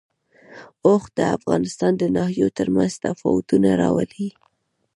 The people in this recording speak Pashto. اوښ د افغانستان د ناحیو ترمنځ تفاوتونه راولي.